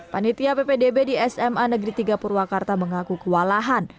panitia ppdb di sma negeri tiga purwakarta mengaku kewalahan